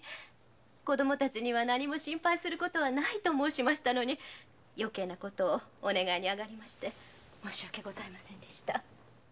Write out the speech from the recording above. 子供たちには何も心配する事はないと申しましたのに余計な事をお願いして申し訳ございませんでした。